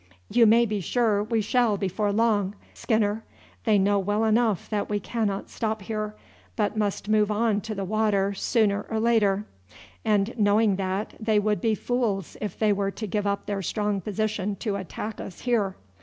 "You may be sure we shall before long, Skinner. They know well enough that we cannot stop here, but must move on to the water sooner or later; and knowing that, they would be fools if they were to give up their strong position to attack us here.